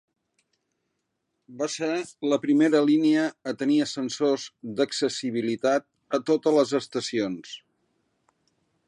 Va ser la primera línia a tenir ascensors d'accessibilitat a totes les estacions.